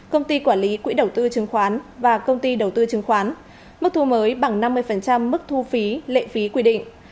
công ty quản lý quỹ đầu tư chứng khoán và công ty đầu tư chứng khoán mức thu mới bằng năm mươi mức thu phí lệ phí quy định